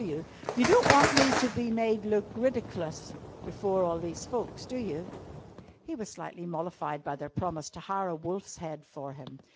You don't want me to be made look ridiclus before all these folks, do you?" He was slightly mollified by their promise to hire a wolf's head for him.